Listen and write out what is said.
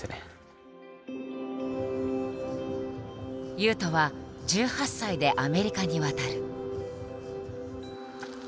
雄斗は１８歳でアメリカに渡る。